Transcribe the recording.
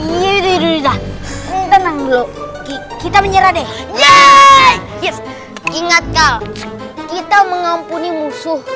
menyerah atau kita taktun buang buang kita tembak kita menyerah deh ingatkan kita mengampuni musuh